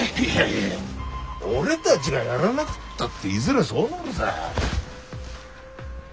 いやいや俺たちがやらなくったっていずれそうなるさ。